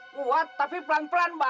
kuat tapi pelan pelan mbak